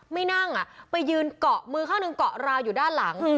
ไม่นั่งไปยืนเกาะมือข้างหนึ่งเกาะราวอยู่ด้านหลัง